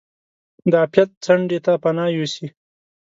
د عافیت څنډې ته پناه یوسي.